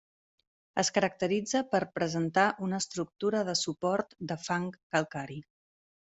Es caracteritza per presentar una estructura de suport de fang calcari.